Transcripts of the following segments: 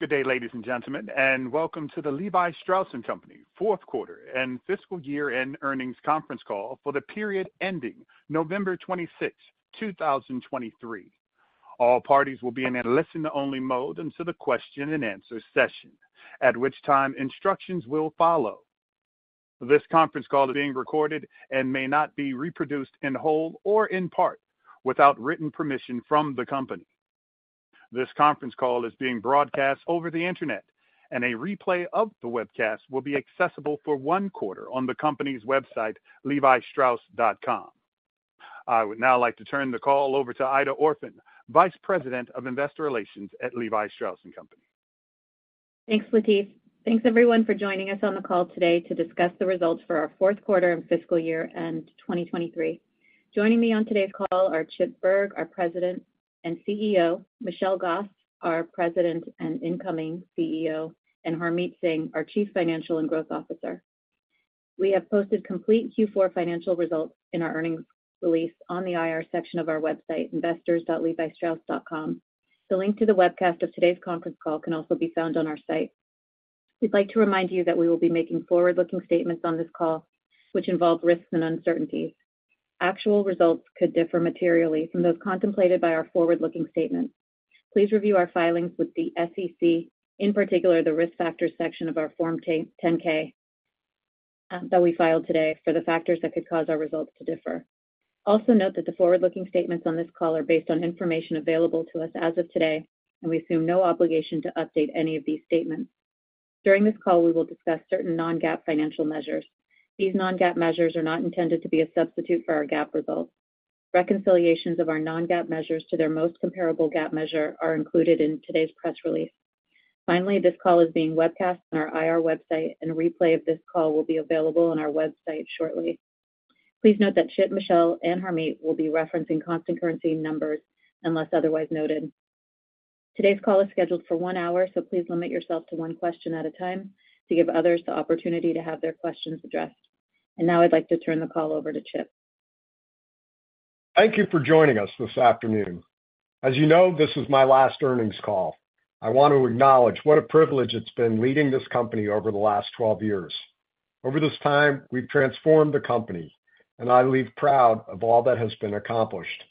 Good day, ladies and gentlemen, and welcome to the Levi Strauss & Co. fourth quarter and fiscal year-end earnings conference call for the period ending November 26, 2023. All parties will be in a listen to only mode until the question and answer session, at which time instructions will follow. This conference call is being recorded and may not be reproduced in whole or in part without written permission from the company. This conference call is being broadcast over the internet, and a replay of the webcast will be accessible for one quarter on the company's website, levistrauss.com. I would now like to turn the call over to Aida Orphan, Vice President of Investor Relations at Levi Strauss & Co. Thanks, Latif. Thanks, everyone, for joining us on the call today to discuss the results for our fourth quarter and fiscal year end, 2023. Joining me on today's call are Chip Bergh, our President and CEO, Michelle Gass, our President and incoming CEO, and Harmit Singh, our Chief Financial and Growth Officer. We have posted complete Q4 financial results in our earnings release on the IR section of our website, investors.levistrauss.com. The link to the webcast of today's conference call can also be found on our site. We'd like to remind you that we will be making forward-looking statements on this call, which involve risks and uncertainties. Actual results could differ materially from those contemplated by our forward-looking statements. Please review our filings with the SEC, in particular, the Risk Factors section of our Form 10-K that we filed today for the factors that could cause our results to differ. Also, note that the forward-looking statements on this call are based on information available to us as of today, and we assume no obligation to update any of these statements. During this call, we will discuss certain non-GAAP financial measures. These non-GAAP measures are not intended to be a substitute for our GAAP results. Reconciliations of our non-GAAP measures to their most comparable GAAP measure are included in today's press release. Finally, this call is being webcast on our IR website, and a replay of this call will be available on our website shortly. Please note that Chip, Michelle, and Harmit will be referencing constant currency numbers unless otherwise noted. Today's call is scheduled for one hour, so please limit yourself to one question at a time to give others the opportunity to have their questions addressed. And now I'd like to turn the call over to Chip. Thank you for joining us this afternoon. As you know, this is my last earnings call. I want to acknowledge what a privilege it's been leading this company over the last 12 years. Over this time, we've transformed the company, and I leave proud of all that has been accomplished.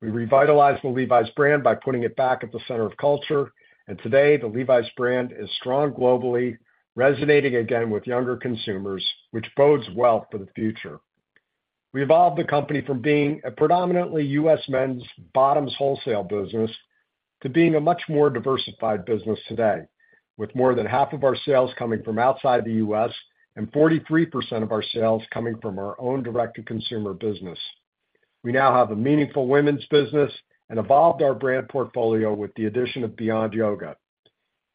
We revitalized the Levi's brand by putting it back at the center of culture, and today, the Levi's brand is strong globally, resonating again with younger consumers, which bodes well for the future. We evolved the company from being a predominantly U.S. men's bottoms wholesale business to being a much more diversified business today, with more than half of our sales coming from outside the U.S. and 43% of our sales coming from our own direct-to-consumer business. We now have a meaningful women's business and evolved our brand portfolio with the addition of Beyond Yoga,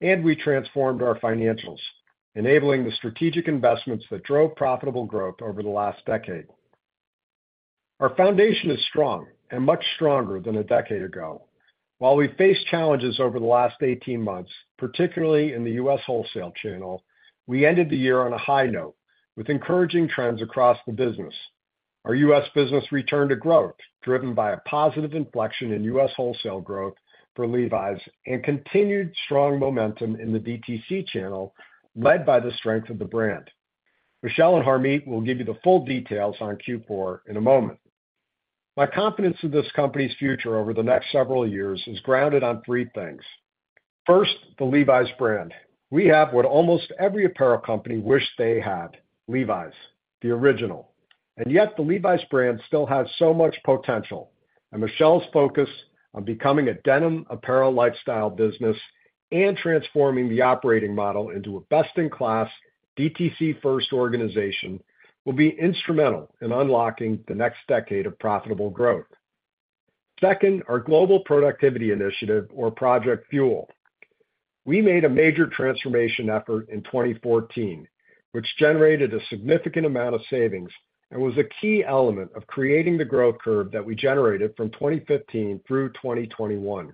and we transformed our financials, enabling the strategic investments that drove profitable growth over the last decade. Our foundation is strong and much stronger than a decade ago. While we faced challenges over the last 18 months, particularly in the U.S. wholesale channel, we ended the year on a high note with encouraging trends across the business. Our U.S. business returned to growth, driven by a positive inflection in U.S. wholesale growth for Levi's and continued strong momentum in the DTC channel, led by the strength of the brand. Michelle and Harmit will give you the full details on Q4 in a moment. My confidence in this company's future over the next several years is grounded on three things. First, the Levi's brand. We have what almost every apparel company wished they had, Levi's, the original. And yet the Levi's brand still has so much potential, and Michelle's focus on becoming a denim apparel lifestyle business and transforming the operating model into a best-in-class, DTC-first organization will be instrumental in unlocking the next decade of profitable growth. Second, our global productivity initiative or Project Fuel. We made a major transformation effort in 2014, which generated a significant amount of savings and was a key element of creating the growth curve that we generated from 2015 through 2021.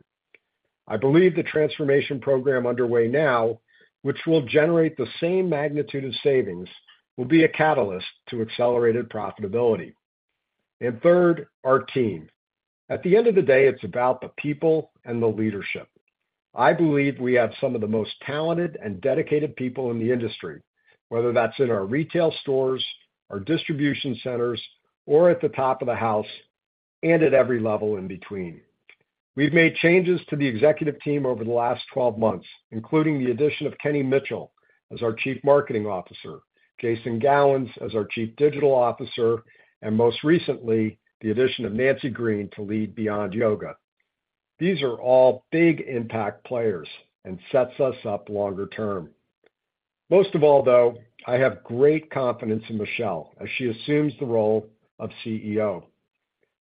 I believe the transformation program underway now, which will generate the same magnitude of savings, will be a catalyst to accelerated profitability. And third, our team. At the end of the day, it's about the people and the leadership. I believe we have some of the most talented and dedicated people in the industry, whether that's in our retail stores, our distribution centers, or at the top of the house, and at every level in between. We've made changes to the executive team over the last 12 months, including the addition of Kenny Mitchell as our Chief Marketing Officer, Jason Gowans as our Chief Digital Officer, and most recently, the addition of Nancy Green to lead Beyond Yoga. These are all big impact players and sets us up longer term. Most of all, though, I have great confidence in Michelle as she assumes the role of CEO.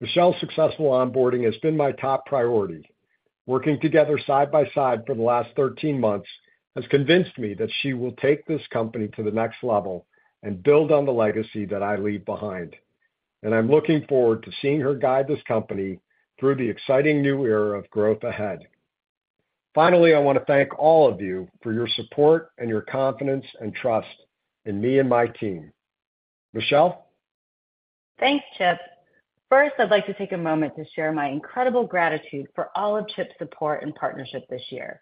Michelle's successful onboarding has been my top priority. Working together side by side for the last 13 months has convinced me that she will take this company to the next level and build on the legacy that I leave behind. I'm looking forward to seeing her guide this company through the exciting new era of growth ahead. Finally, I want to thank all of you for your support and your confidence and trust in me and my team. Michelle?... Thanks, Chip. First, I'd like to take a moment to share my incredible gratitude for all of Chip's support and partnership this year.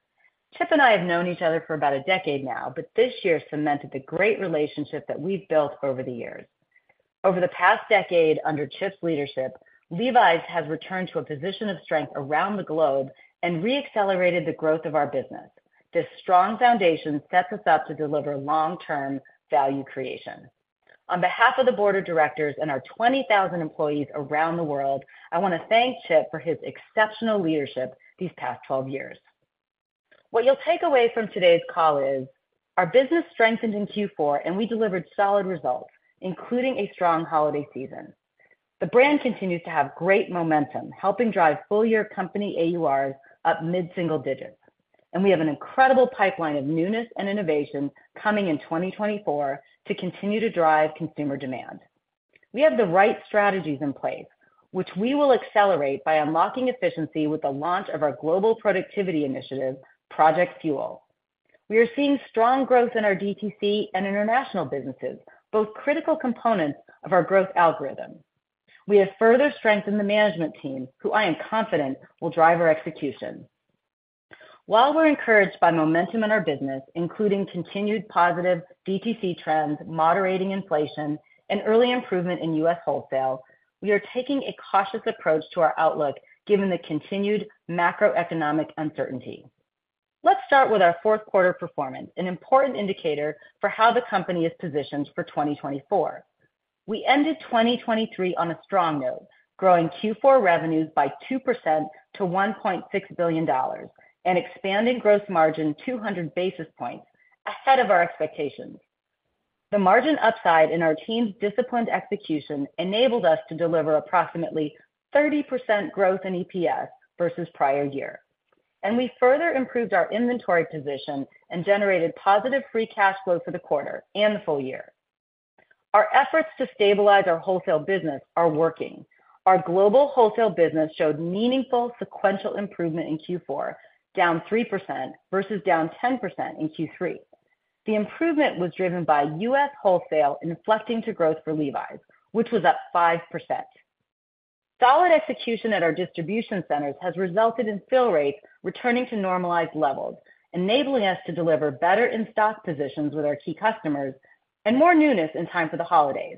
Chip and I have known each other for about a decade now, but this year cemented the great relationship that we've built over the years. Over the past decade, under Chip's leadership, Levi's has returned to a position of strength around the globe and re-accelerated the growth of our business. This strong foundation sets us up to deliver long-term value creation. On behalf of the board of directors and our 20,000 employees around the world, I want to thank Chip for his exceptional leadership these past 12 years. What you'll take away from today's call is: our business strengthened in Q4, and we delivered solid results, including a strong holiday season. The brand continues to have great momentum, helping drive full-year company AURs up mid-single digits, and we have an incredible pipeline of newness and innovation coming in 2024 to continue to drive consumer demand. We have the right strategies in place, which we will accelerate by unlocking efficiency with the launch of our global productivity initiative, Project Fuel. We are seeing strong growth in our DTC and international businesses, both critical components of our growth algorithm. We have further strengthened the management team, who I am confident will drive our execution. While we're encouraged by momentum in our business, including continued positive DTC trends, moderating inflation, and early improvement in U.S. wholesale, we are taking a cautious approach to our outlook, given the continued macroeconomic uncertainty. Let's start with our fourth quarter performance, an important indicator for how the company is positioned for 2024. We ended 2023 on a strong note, growing Q4 revenues by 2% to $1.6 billion and expanding gross margin 200 basis points, ahead of our expectations. The margin upside in our team's disciplined execution enabled us to deliver approximately 30% growth in EPS versus prior year, and we further improved our inventory position and generated positive free cash flow for the quarter and the full year. Our efforts to stabilize our wholesale business are working. Our global wholesale business showed meaningful sequential improvement in Q4, down 3% versus down 10% in Q3. The improvement was driven by US wholesale inflecting to growth for Levi's, which was up 5%. Solid execution at our distribution centers has resulted in fill rates returning to normalized levels, enabling us to deliver better in-stock positions with our key customers and more newness in time for the holidays.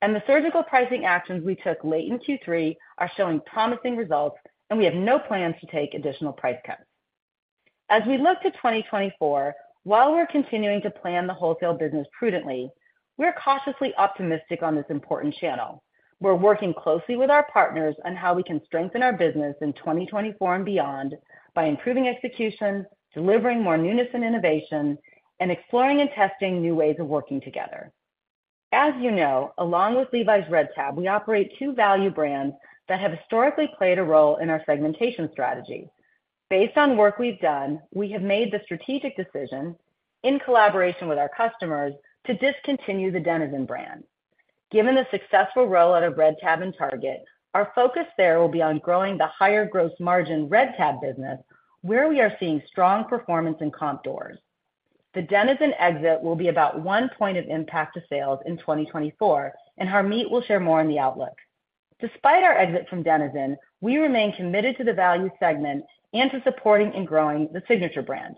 The surgical pricing actions we took late in Q3 are showing promising results, and we have no plans to take additional price cuts. As we look to 2024, while we're continuing to plan the wholesale business prudently, we're cautiously optimistic on this important channel. We're working closely with our partners on how we can strengthen our business in 2024 and beyond by improving execution, delivering more newness and innovation, and exploring and testing new ways of working together. As you know, along with Levi's Red Tab, we operate two value brands that have historically played a role in our segmentation strategy. Based on work we've done, we have made the strategic decision, in collaboration with our customers, to discontinue the Denizen brand. Given the successful roll out of Red Tab and Target, our focus there will be on growing the higher gross margin Red Tab business, where we are seeing strong performance in comp doors. The Denizen exit will be about 1 point of impact to sales in 2024, and Harmit will share more on the outlook. Despite our exit from Denizen, we remain committed to the value segment and to supporting and growing the Signature brand.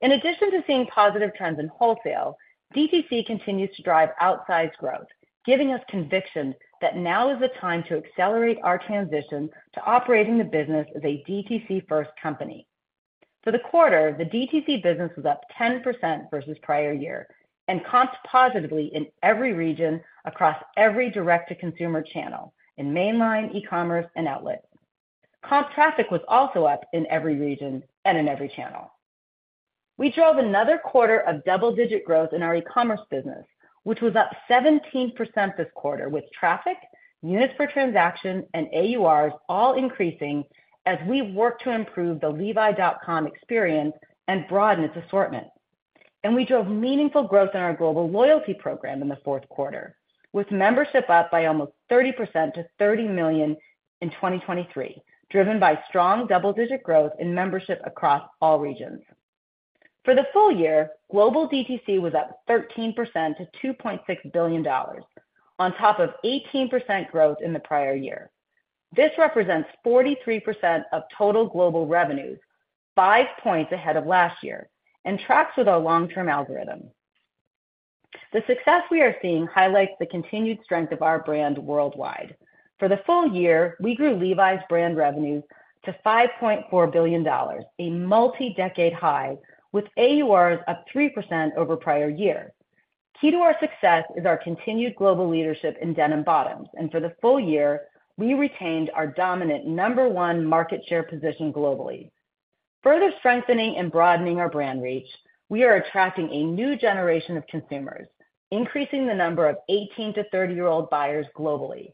In addition to seeing positive trends in wholesale, DTC continues to drive outsized growth, giving us conviction that now is the time to accelerate our transition to operating the business as a DTC-first company. For the quarter, the DTC business was up 10% versus prior year and comped positively in every region, across every direct-to-consumer consumer channel, in mainline, e-commerce, and outlet. Comp traffic was also up in every region and in every channel. We drove another quarter of double-digit growth in our e-commerce business, which was up 17% this quarter, with traffic, units per transaction, and AURs all increasing as we work to improve the Levi.com experience and broaden its assortment. And we drove meaningful growth in our global loyalty program in the fourth quarter, with membership up by almost 30% to 30 million in 2023, driven by strong double-digit growth in membership across all regions. For the full year, global DTC was up 13% to $2.6 billion, on top of 18% growth in the prior year. This represents 43% of total global revenues, 5 points ahead of last year, and tracks with our long-term algorithm. The success we are seeing highlights the continued strength of our brand worldwide. For the full year, we grew Levi's brand revenue to $5.4 billion, a multi-decade high, with AURs up 3% over prior year. Key to our success is our continued global leadership in denim bottoms, and for the full year, we retained our dominant number one market share position globally. Further strengthening and broadening our brand reach, we are attracting a new generation of consumers, increasing the number of 18- to 30-year-old buyers globally.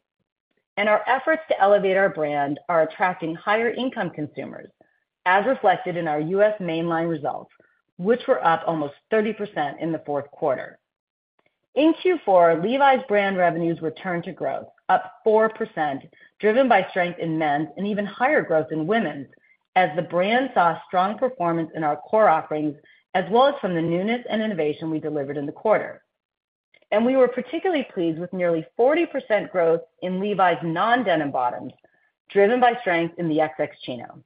Our efforts to elevate our brand are attracting higher-income consumers, as reflected in our U.S. mainline results, which were up almost 30% in the fourth quarter. In Q4, Levi's brand revenues returned to growth, up 4%, driven by strength in men's and even higher growth in women's, as the brand saw strong performance in our core offerings, as well as from the newness and innovation we delivered in the quarter. And we were particularly pleased with nearly 40% growth in Levi's non-denim bottoms, driven by strength in the XX Chino.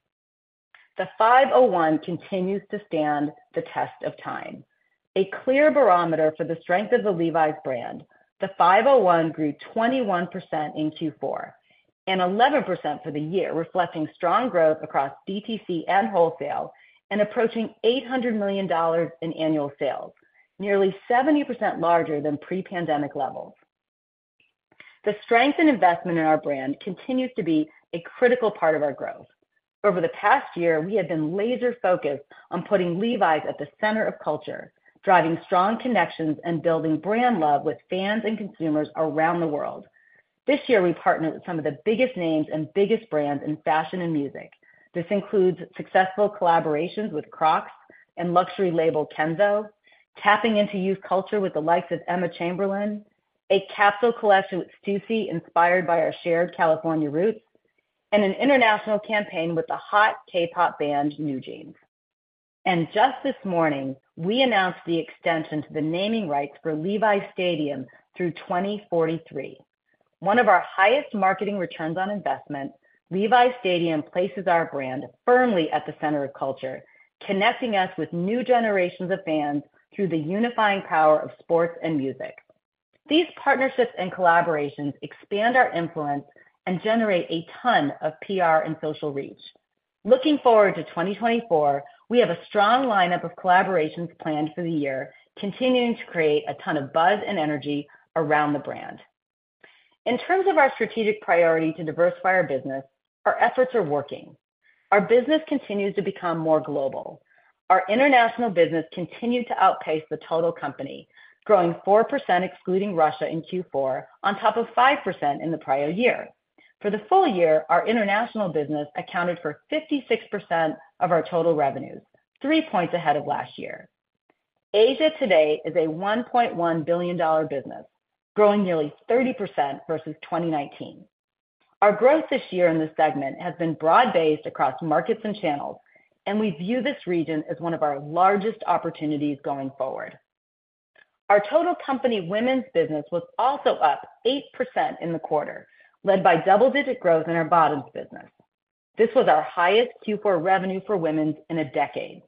The 501 continues to stand the test of time. A clear barometer for the strength of the Levi's brand, the 501 grew 21% in Q4, and 11% for the year, reflecting strong growth across DTC and wholesale, and approaching $800 million in annual sales, nearly 70% larger than pre-pandemic levels. The strength and investment in our brand continues to be a critical part of our growth. Over the past year, we have been laser-focused on putting Levi's at the center of culture, driving strong connections and building brand love with fans and consumers around the world. This year, we partnered with some of the biggest names and biggest brands in fashion and music. This includes successful collaborations with Crocs and luxury label, Kenzo, tapping into youth culture with the likes of Emma Chamberlain, a capsule collection with Stüssy, inspired by our shared California roots, and an international campaign with the hot K-pop band, NewJeans. And just this morning, we announced the extension to the naming rights for Levi's Stadium through 2043. One of our highest marketing returns on investment, Levi's Stadium places our brand firmly at the center of culture, connecting us with new generations of fans through the unifying power of sports and music. These partnerships and collaborations expand our influence and generate a ton of PR and social reach. Looking forward to 2024, we have a strong lineup of collaborations planned for the year, continuing to create a ton of buzz and energy around the brand. In terms of our strategic priority to diversify our business, our efforts are working. Our business continues to become more global. Our international business continued to outpace the total company, growing 4%, excluding Russia in Q4, on top of 5% in the prior year. For the full year, our international business accounted for 56% of our total revenues, 3 points ahead of last year. Asia today is a $1.1 billion business, growing nearly 30% versus 2019. Our growth this year in this segment has been broad-based across markets and channels, and we view this region as one of our largest opportunities going forward. Our total company women's business was also up 8% in the quarter, led by double-digit growth in our bottoms business. This was our highest Q4 revenue for women in a decade.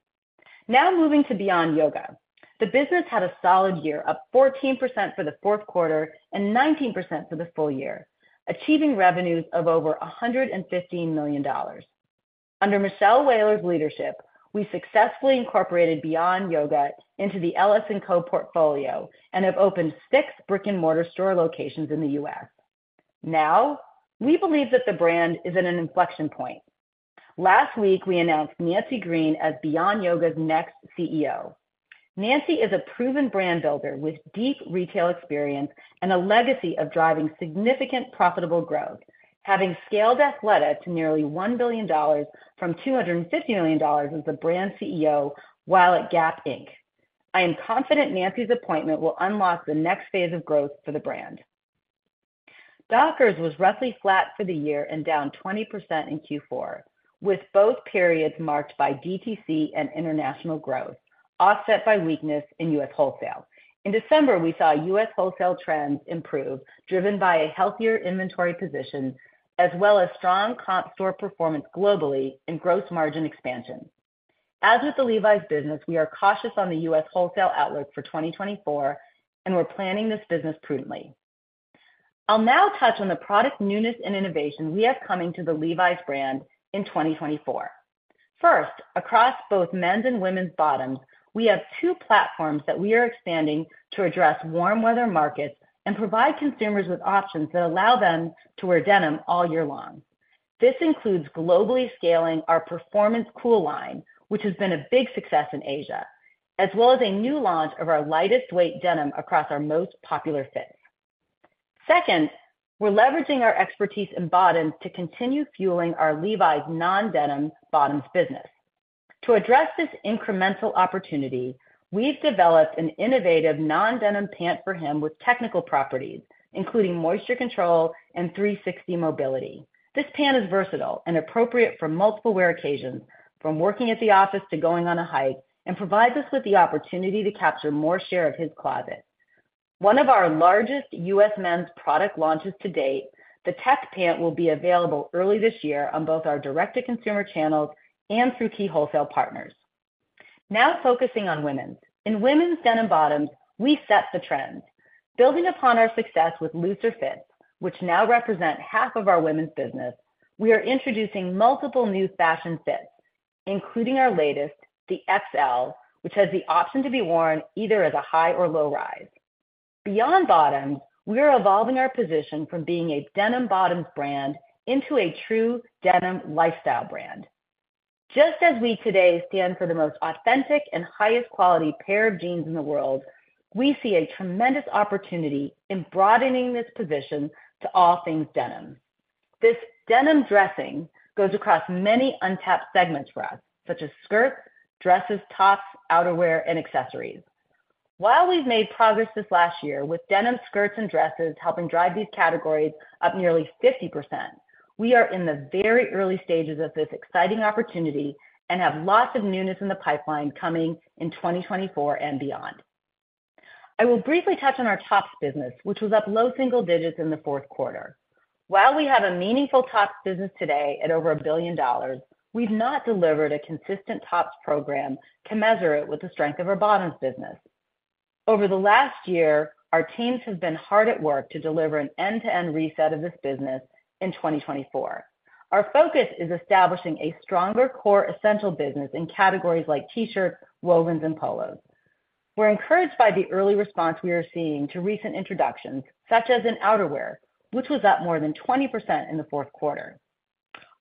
Now, moving to Beyond Yoga. The business had a solid year, up 14% for the fourth quarter and 19% for the full year, achieving revenues of over $115 million. Under Michelle Wahler's leadership, we successfully incorporated Beyond Yoga into the Levi Strauss & Co. portfolio and have opened six brick-and-mortar store locations in the U.S. Now, we believe that the brand is at an inflection point. Last week, we announced Nancy Green as Beyond Yoga's next CEO. Nancy is a proven brand builder with deep retail experience and a legacy of driving significant profitable growth, having scaled Athleta to nearly $1 billion from $250 million as the brand CEO while at Gap Inc. I am confident Nancy's appointment will unlock the next phase of growth for the brand. Dockers was roughly flat for the year and down 20% in Q4, with both periods marked by DTC and international growth, offset by weakness in U.S. wholesale. In December, we saw U.S. wholesale trends improve, driven by a healthier inventory position, as well as strong comp store performance globally and gross margin expansion. As with the Levi's business, we are cautious on the U.S. wholesale outlook for 2024, and we're planning this business prudently. I'll now touch on the product newness and innovation we have coming to the Levi's brand in 2024. First, across both men's and women's bottoms, we have two platforms that we are expanding to address warm weather markets and provide consumers with options that allow them to wear denim all year long. This includes globally scaling our Performance Cool line, which has been a big success in Asia, as well as a new launch of our lightest weight denim across our most popular fits. Second, we're leveraging our expertise in bottoms to continue fueling our Levi's non-denim bottoms business. To address this incremental opportunity, we've developed an innovative non-denim pant for him with technical properties, including moisture control and 360 mobility. This pant is versatile and appropriate for multiple wear occasions, from working at the office to going on a hike, and provides us with the opportunity to capture more share of his closet. One of our largest U.S. men's product launches to date, the tech pant will be available early this year on both our direct-to-consumer channels and through key wholesale partners. Now focusing on women's. In women's denim bottoms, we set the trends. Building upon our success with looser fits, which now represent half of our women's business, we are introducing multiple new fashion fits, including our latest, the XL, which has the option to be worn either as a high or low rise. Beyond bottoms, we are evolving our position from being a denim bottoms brand into a true denim lifestyle brand. Just as we today stand for the most authentic and highest quality pair of jeans in the world, we see a tremendous opportunity in broadening this position to all things denim. This denim dressing goes across many untapped segments for us, such as skirts, dresses, tops, outerwear, and accessories.... While we've made progress this last year with denim skirts and dresses helping drive these categories up nearly 50%, we are in the very early stages of this exciting opportunity and have lots of newness in the pipeline coming in 2024 and beyond. I will briefly touch on our tops business, which was up low single digits in the fourth quarter. While we have a meaningful tops business today at over $1 billion, we've not delivered a consistent tops program to measure it with the strength of our bottoms business. Over the last year, our teams have been hard at work to deliver an end-to-end reset of this business in 2024. Our focus is establishing a stronger core essential business in categories like T-shirts, wovens, and polos. We're encouraged by the early response we are seeing to recent introductions, such as in outerwear, which was up more than 20% in the fourth quarter.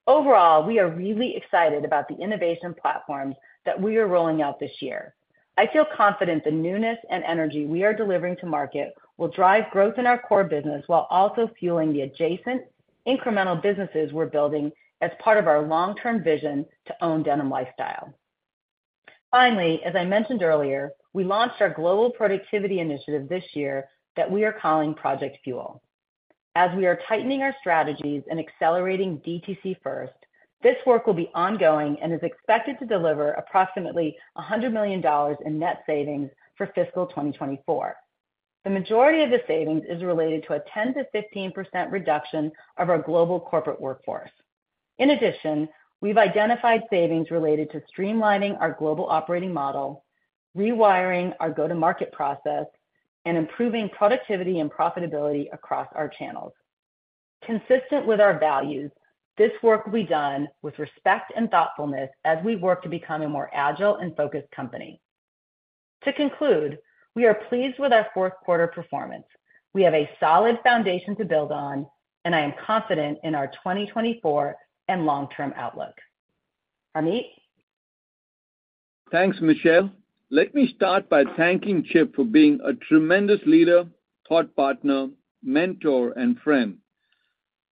Overall, we are really excited about the innovation platforms that we are rolling out this year. I feel confident the newness and energy we are delivering to market will drive growth in our core business, while also fueling the adjacent incremental businesses we're building as part of our long-term vision to own denim lifestyle. Finally, as I mentioned earlier, we launched our global productivity initiative this year that we are calling Project Fuel. As we are tightening our strategies and accelerating DTC first, this work will be ongoing and is expected to deliver approximately $100 million in net savings for fiscal 2024. The majority of the savings is related to a 10%-15% reduction of our global corporate workforce. In addition, we've identified savings related to streamlining our global operating model, rewiring our go-to-market process, and improving productivity and profitability across our channels. Consistent with our values, this work will be done with respect and thoughtfulness as we work to become a more agile and focused company. To conclude, we are pleased with our fourth quarter performance. We have a solid foundation to build on, and I am confident in our 2024 and long-term outlook. Harmit? Thanks, Michelle. Let me start by thanking Chip for being a tremendous leader, thought partner, mentor, and friend.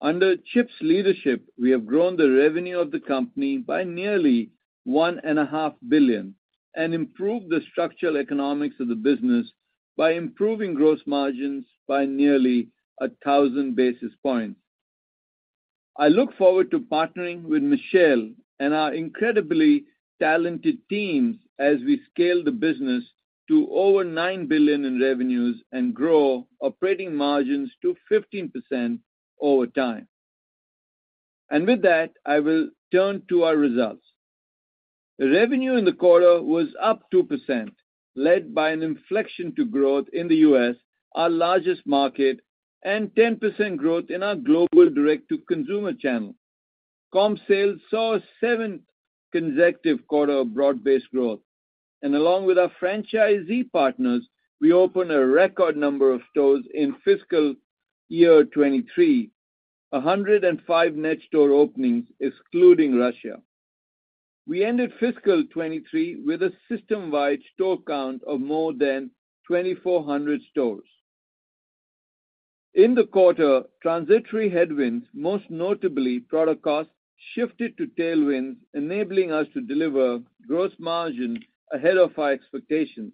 Under Chip's leadership, we have grown the revenue of the company by nearly $1.5 billion, and improved the structural economics of the business by improving gross margins by nearly 1,000 basis points. I look forward to partnering with Michelle and our incredibly talented teams as we scale the business to over $9 billion in revenues and grow operating margins to 15% over time. With that, I will turn to our results. Revenue in the quarter was up 2%, led by an inflection to growth in the U.S., our largest market, and 10% growth in our global direct-to-consumer channel. Comp Sales saw a seventh consecutive quarter of broad-based growth, and along with our franchisee partners, we opened a record number of stores in fiscal year 2023, 105 net store openings, excluding Russia. We ended fiscal 2023 with a system-wide store count of more than 2,400 stores. In the quarter, transitory headwinds, most notably product costs, shifted to tailwinds, enabling us to deliver gross margin ahead of our expectations.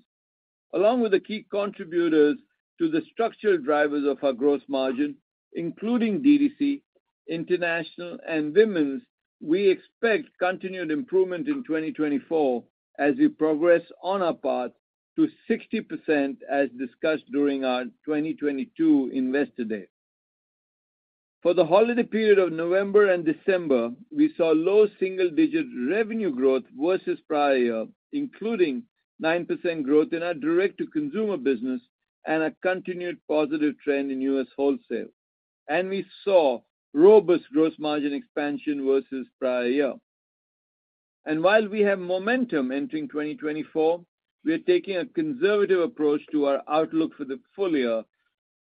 Along with the key contributors to the structural drivers of our gross margin, including DTC, international, and women's, we expect continued improvement in 2024 as we progress on our path to 60%, as discussed during our 2022 Investor Day. For the holiday period of November and December, we saw low single-digit revenue growth versus prior year, including 9% growth in our direct-to-consumer business and a continued positive trend in US wholesale. We saw robust gross margin expansion versus prior year. While we have momentum entering 2024, we are taking a conservative approach to our outlook for the full year,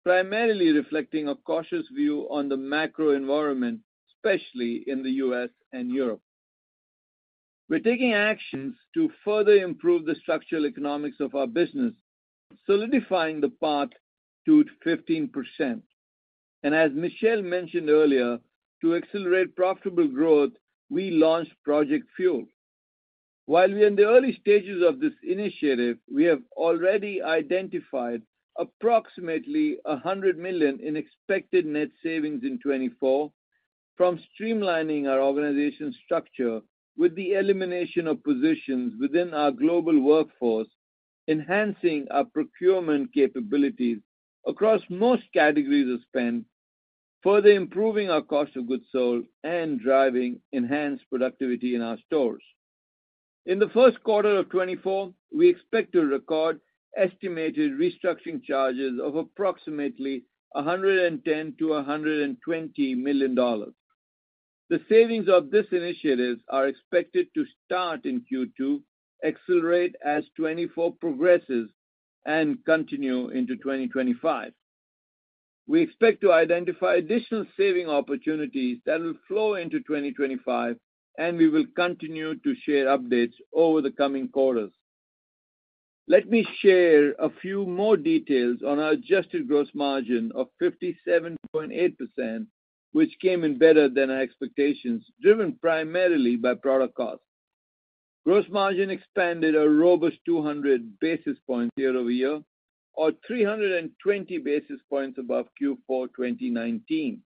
primarily reflecting a cautious view on the macro environment, especially in the U.S. and Europe. We're taking actions to further improve the structural economics of our business, solidifying the path to 15%. As Michelle mentioned earlier, to accelerate profitable growth, we launched Project Fuel. While we are in the early stages of this initiative, we have already identified approximately $100 million in expected net savings in 2024 from streamlining our organization structure with the elimination of positions within our global workforce, enhancing our procurement capabilities across most categories of spend, further improving our cost of goods sold, and driving enhanced productivity in our stores. In the first quarter of 2024, we expect to record estimated restructuring charges of approximately $110 million-$120 million. The savings of these initiatives are expected to start in Q2, accelerate as 2024 progresses, and continue into 2025. We expect to identify additional saving opportunities that will flow into 2025, and we will continue to share updates over the coming quarters. Let me share a few more details on our adjusted gross margin of 57.8% which came in better than our expectations, driven primarily by product costs. Gross margin expanded a robust 200 basis points year-over-year, or 320 basis points above Q4 2019.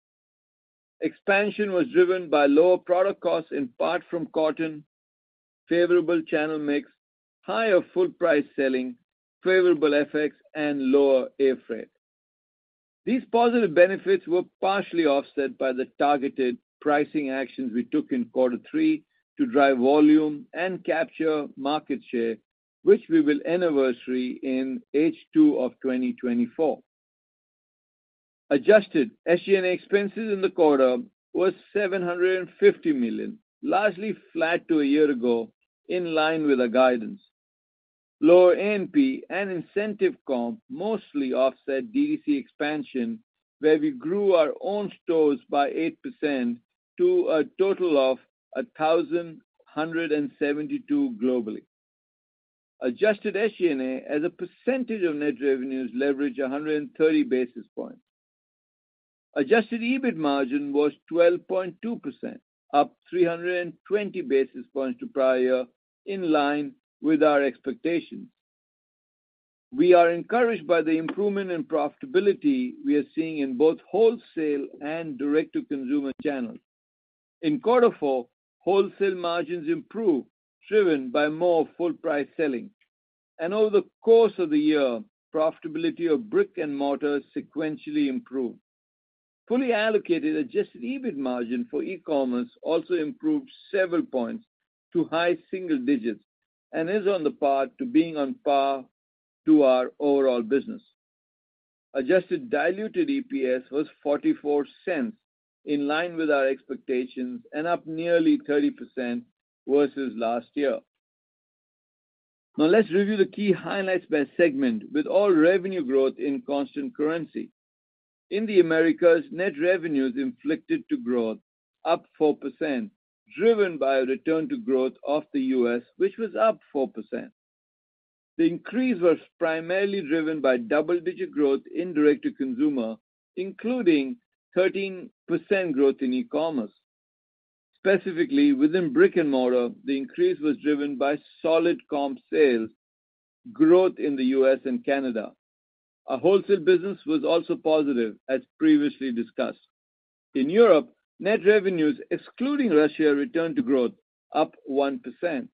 Expansion was driven by lower product costs, in part from cotton, favorable channel mix, higher full price selling, favorable FX, and lower air freight. These positive benefits were partially offset by the targeted pricing actions we took in quarter three to drive volume and capture market share, which we will anniversary in H2 of 2024. Adjusted SG&A expenses in the quarter was $750 million, largely flat to a year ago, in line with our guidance. Lower A&P and incentive comp mostly offset DTC expansion, where we grew our own stores by 8% to a total of 1,172 globally. Adjusted SG&A as a percentage of net revenues leveraged 130 basis points. Adjusted EBIT margin was 12.2%, up 320 basis points to prior year, in line with our expectations. We are encouraged by the improvement in profitability we are seeing in both wholesale and direct-to-consumer channels. In quarter four, wholesale margins improved, driven by more full-price selling. Over the course of the year, profitability of brick and mortar sequentially improved. Fully allocated, adjusted EBIT margin for e-commerce also improved several points to high single digits and is on the path to being on par with our overall business. Adjusted diluted EPS was $0.44, in line with our expectations and up nearly 30% versus last year. Now let's review the key highlights by segment with all revenue growth in constant currency. In the Americas, net revenues reflected growth, up 4%, driven by a return to growth of the US, which was up 4%. The increase was primarily driven by double-digit growth in direct-to-consumer, including 13% growth in e-commerce. Specifically, within brick and mortar, the increase was driven by solid comp sales growth in the US and Canada. Our wholesale business was also positive, as previously discussed. In Europe, net revenues, excluding Russia, returned to growth, up 1%.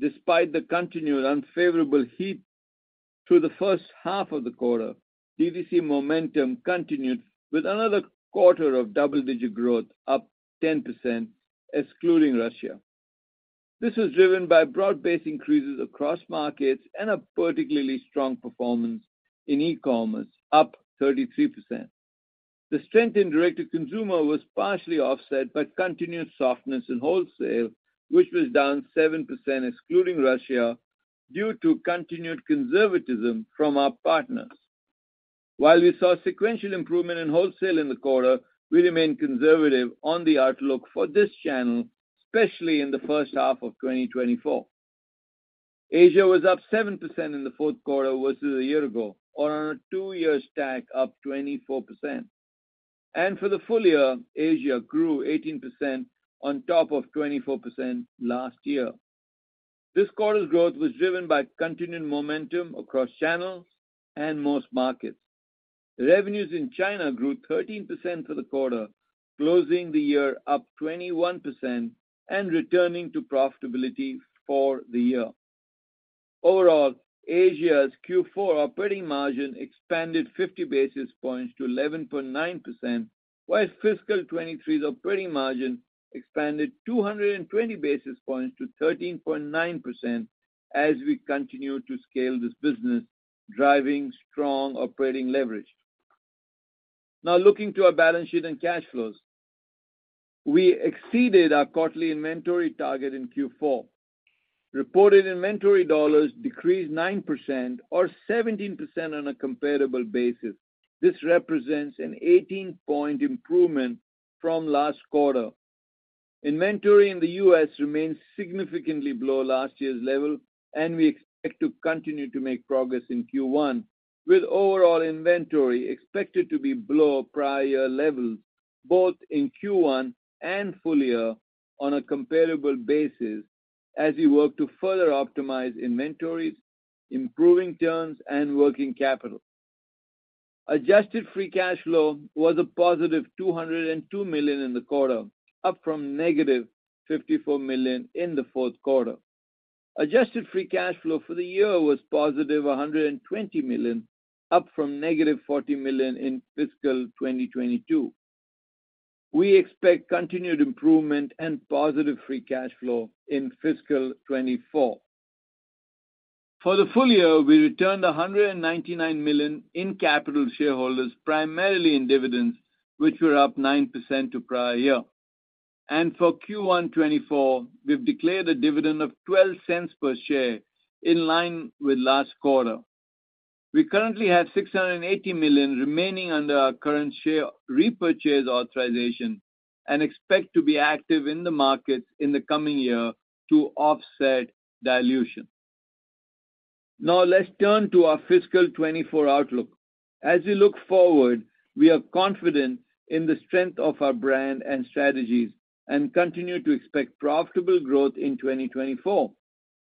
Despite the continued unfavorable heat through the first half of the quarter, DTC momentum continued with another quarter of double-digit growth, up 10%, excluding Russia. This was driven by broad-based increases across markets and a particularly strong performance in e-commerce, up 33%. The strength in direct-to-consumer was partially offset by continued softness in wholesale, which was down 7%, excluding Russia, due to continued conservatism from our partners. While we saw sequential improvement in wholesale in the quarter, we remain conservative on the outlook for this channel, especially in the first half of 2024. Asia was up 7% in the fourth quarter versus a year ago, or on a two-year stack, up 24%. For the full year, Asia grew 18% on top of 24% last year. This quarter's growth was driven by continued momentum across channels and most markets. Revenues in China grew 13% for the quarter, closing the year up 21% and returning to profitability for the year. Overall, Asia's Q4 operating margin expanded 50 basis points to 11.9%, while fiscal 2023's operating margin expanded 220 basis points to 13.9% as we continue to scale this business, driving strong operating leverage. Now looking to our balance sheet and cash flows. We exceeded our quarterly inventory target in Q4. Reported inventory dollars decreased 9% or 17% on a comparable basis. This represents an 18-point improvement from last quarter. Inventory in the U.S. remains significantly below last year's level, and we expect to continue to make progress in Q1, with overall inventory expected to be below prior year levels, both in Q1 and full year on a comparable basis, as we work to further optimize inventories, improving turns and working capital. Adjusted free cash flow was a positive $202 million in the quarter, up from negative $54 million in the fourth quarter. Adjusted free cash flow for the year was positive $120 million, up from negative $40 million in fiscal 2022. We expect continued improvement and positive free cash flow in fiscal 2024. For the full year, we returned $199 million in capital to shareholders, primarily in dividends, which were up 9% to prior year. For Q1 2024, we've declared a dividend of $0.12 per share, in line with last quarter. We currently have $680 million remaining under our current share repurchase authorization and expect to be active in the markets in the coming year to offset dilution.... Now let's turn to our fiscal 2024 outlook. As we look forward, we are confident in the strength of our brand and strategies and continue to expect profitable growth in 2024.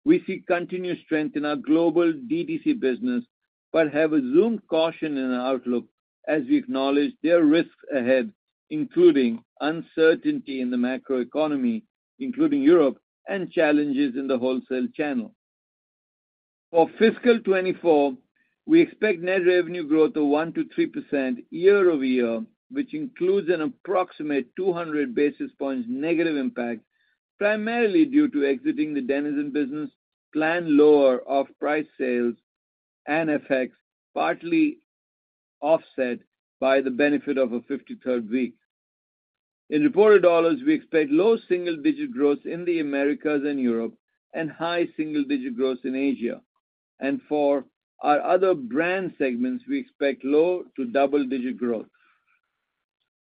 We see continued strength in our global DTC business, but have assumed caution in our outlook as we acknowledge there are risks ahead, including uncertainty in the macroeconomy, including Europe, and challenges in the wholesale channel. For fiscal 2024, we expect net revenue growth of 1%-3% year-over-year, which includes an approximate 200 basis points negative impact, primarily due to exiting the Denizen business, planned lower off-price sales, and effects, partly offset by the benefit of a 53rd week. In reported dollars, we expect low single-digit growth in the Americas and Europe and high single-digit growth in Asia. For our other brand segments, we expect low- to double-digit growth.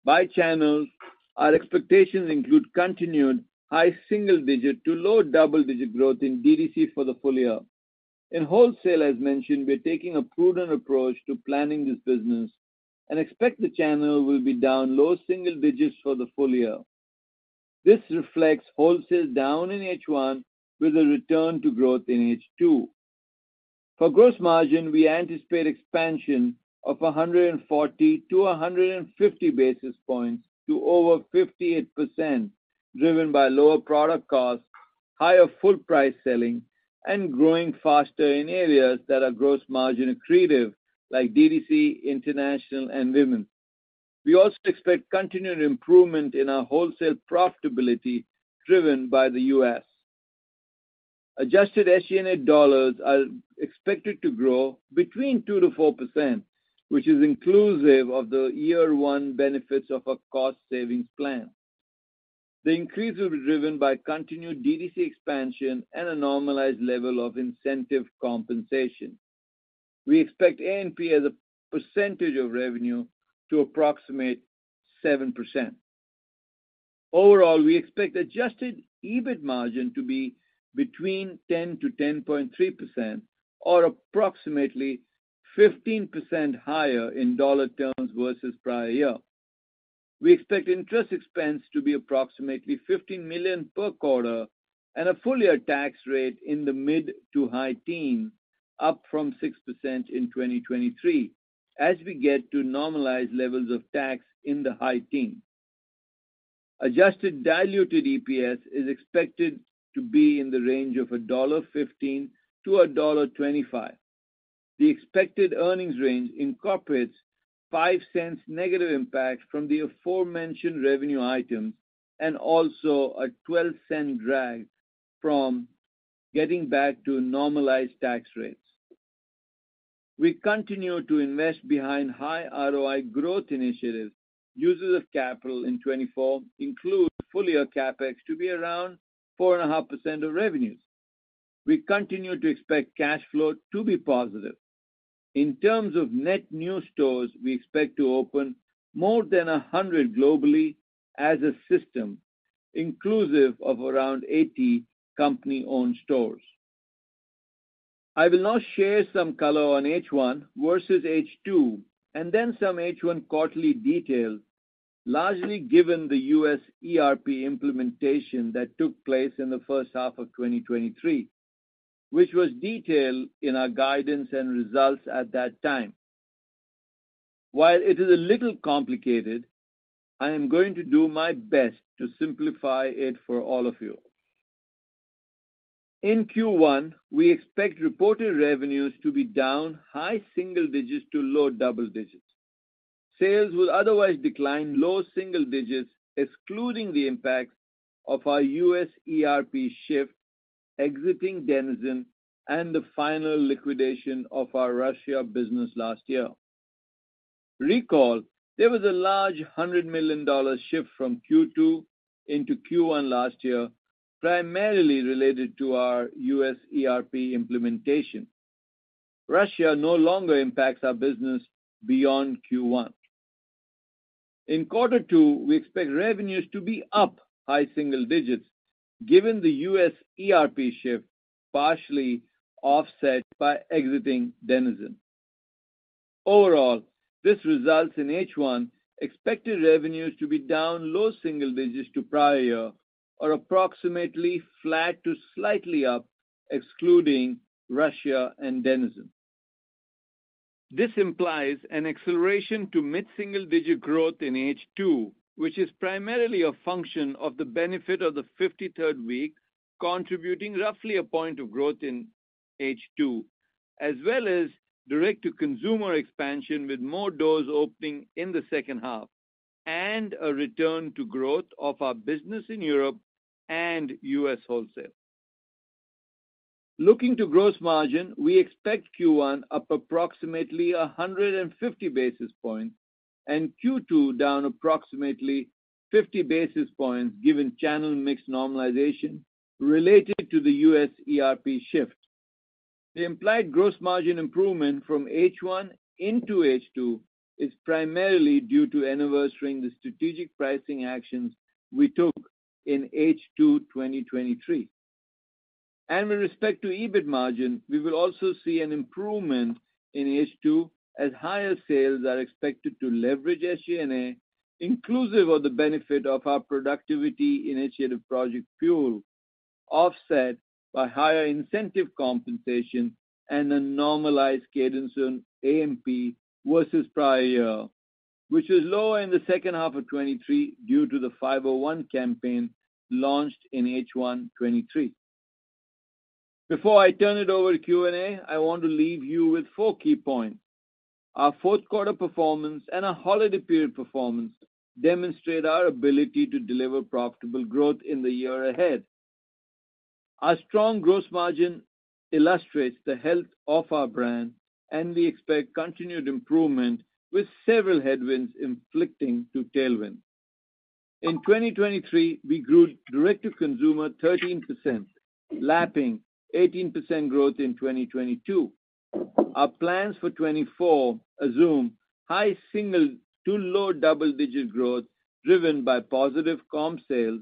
By channels, our expectations include continued high single-digit to low double-digit growth in DTC for the full year. In wholesale, as mentioned, we're taking a prudent approach to planning this business and expect the channel will be down low single digits for the full year. This reflects wholesale down in H1 with a return to growth in H2. For gross margin, we anticipate expansion of 140-150 basis points to over 58%, driven by lower product costs, higher full price selling, and growing faster in areas that are gross margin accretive, like DTC, International, and Women's. We also expect continued improvement in our wholesale profitability, driven by the U.S. Adjusted SG&A dollars are expected to grow between 2%-4%, which is inclusive of the year 1 benefits of our cost savings plan. The increase will be driven by continued DTC expansion and a normalized level of incentive compensation. We expect A&P as a percentage of revenue to approximate 7%. Overall, we expect adjusted EBIT margin to be between 10%-10.3% or approximately 15% higher in dollar terms versus prior year. We expect interest expense to be approximately $15 million per quarter and a full-year tax rate in the mid- to high-teens%, up from 6% in 2023, as we get to normalized levels of tax in the high teens%. Adjusted diluted EPS is expected to be in the range of $1.15-$1.25. The expected earnings range incorporates $0.05 negative impact from the aforementioned revenue items and also a $0.12 drag from getting back to normalized tax rates. We continue to invest behind high ROI growth initiatives. Uses of capital in 2024 include full-year CapEx to be around 4.5% of revenues. We continue to expect cash flow to be positive. In terms of net new stores, we expect to open more than 100 globally as a system, inclusive of around 80 company-owned stores. I will now share some color on H1 versus H2, and then some H1 quarterly detail, largely given the US ERP implementation that took place in the first half of 2023, which was detailed in our guidance and results at that time. While it is a little complicated, I am going to do my best to simplify it for all of you. In Q1, we expect reported revenues to be down high single digits to low double digits. Sales will otherwise decline low single digits, excluding the impact of our US ERP shift, exiting Denizen, and the final liquidation of our Russia business last year. Recall, there was a large $100 million shift from Q2 into Q1 last year, primarily related to our US ERP implementation. Russia no longer impacts our business beyond Q1. In quarter two, we expect revenues to be up high single digits, given the U.S. ERP shift, partially offset by exiting Denizen. Overall, this results in H1 expected revenues to be down low single digits to prior year or approximately flat to slightly up, excluding Russia and Denizen. This implies an acceleration to mid-single-digit growth in H2, which is primarily a function of the benefit of the 53rd week, contributing roughly a point of growth in H2, as well as direct-to-consumer expansion with more doors opening in the second half and a return to growth of our business in Europe and U.S. wholesale. Looking to gross margin, we expect Q1 up approximately 150 basis points and Q2 down approximately 50 basis points, given channel mix normalization related to the U.S. ERP shift. The implied gross margin improvement from H1 into H2 is primarily due to anniversarying the strategic pricing actions we took in H2 2023. And with respect to EBIT margin, we will also see an improvement in H2, as higher sales are expected to leverage SG&A, inclusive of the benefit of our productivity initiative, Project Fuel, offset by higher incentive compensation and a normalized cadence on A&P versus prior year, which was lower in the second half of 2023 due to the 501 campaign launched in H1 2023. Before I turn it over to Q&A, I want to leave you with four key points. Our fourth quarter performance and our holiday period performance demonstrate our ability to deliver profitable growth in the year ahead. Our strong gross margin illustrates the health of our brand, and we expect continued improvement, with several headwinds turning into tailwinds. In 2023, we grew direct-to-consumer 13%, lapping 18% growth in 2022. Our plans for 2024 assume high single to low double-digit growth, driven by positive comp sales,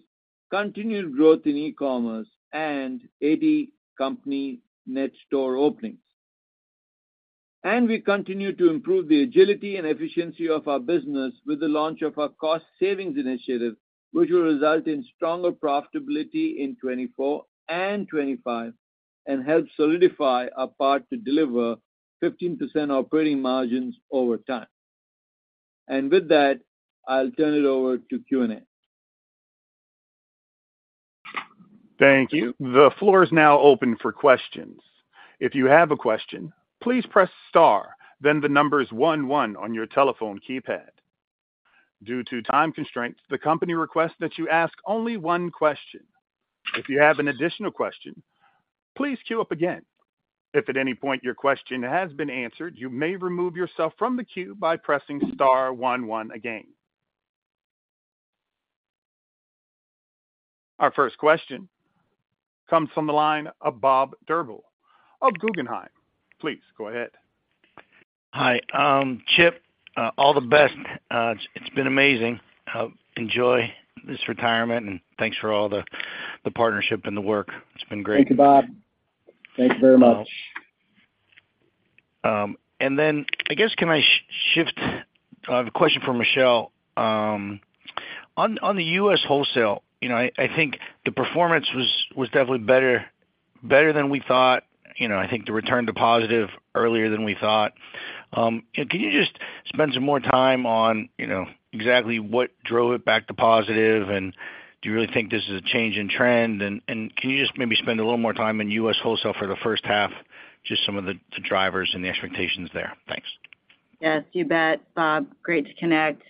continued growth in e-commerce, and 80 company net store openings. And we continue to improve the agility and efficiency of our business with the launch of our cost savings initiative, which will result in stronger profitability in 2024 and 2025 and help solidify our path to deliver 15% operating margins over time. And with that, I'll turn it over to Q&A. Thank you. The floor is now open for questions. If you have a question, please press star, then the numbers one, one on your telephone keypad. Due to time constraints, the company requests that you ask only one question. If you have an additional question, please queue up again. If at any point your question has been answered, you may remove yourself from the queue by pressing star one, one again. Our first question comes from the line of Bob Drbul of Guggenheim. Please go ahead. Hi, Chip, all the best. It's been amazing. Enjoy this retirement, and thanks for all the partnership and the work. It's been great. Thank you, Bob. Thank you very much. And then I guess, can I shift? I have a question for Michelle. On the U.S. wholesale, you know, I think the performance was definitely better than we thought. You know, I think the return to positive earlier than we thought. Can you just spend some more time on, you know, exactly what drove it back to positive, and do you really think this is a change in trend? And can you just maybe spend a little more time in U.S. wholesale for the first half, just some of the drivers and the expectations there? Thanks. Yes, you bet, Bob. Great to connect.